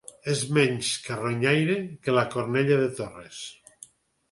És menys carronyaire que la cornella de Torres.